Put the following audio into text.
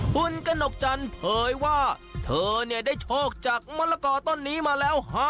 คุณกระหนกจันทร์เผยว่าเธอได้โชคจากมะละกอต้นนี้มาแล้ว